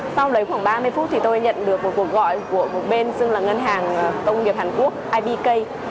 sau đấy khoảng ba mươi phút thì tôi nhận được một cuộc gọi của một bên xưng là ngân hàng công nghiệp hàn quốc ibk